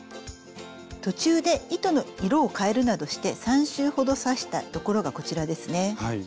途中で糸の色をかえるなどして３周ほど刺した所がこちらですね。